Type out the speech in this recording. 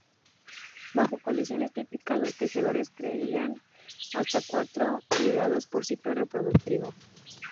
Bajo condiciones típicas, los tejedores crían hasta cuatro nidadas por ciclo reproductivo.